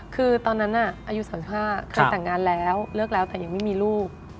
คือตอนนั้นอายุ๓๕เคยแต่งงานแล้วเลิกแล้วแต่ยังไม่มีลูก